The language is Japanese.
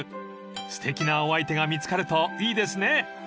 ［すてきなお相手が見つかるといいですね］